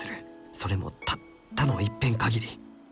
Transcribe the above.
それもたったのいっぺん限り。